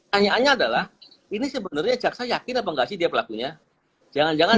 tanyaannya adalah ini sebenarnya jaksa yakin apa enggak sih dia pelakunya jangan jangan